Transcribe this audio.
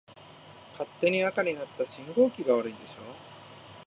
勝手に赤になった信号機が悪いんでしょ。